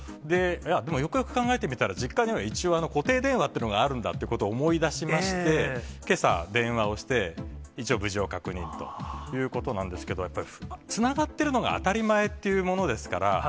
でもよくよく考えてみたら、実家には一応固定電話というのがあるんだということを思い出しまして、けさ電話をして、一応無事を確認ということなんですけど、やっぱりつながってるのが当たり前っていうものですから、